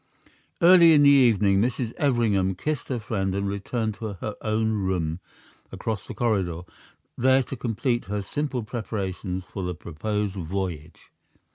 Early in the evening Mrs. Everingham kissed her friend and returned to her own room across the corridor, there to complete her simple preparations for the proposed voyage.